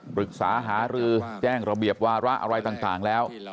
ปรึกษาหารือแจ้งระเบียบวาระอะไรต่างแล้ว